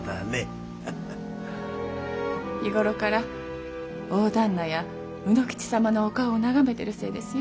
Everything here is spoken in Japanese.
日ごろから大旦那や卯之吉様のお顔を眺めてるせいですよ。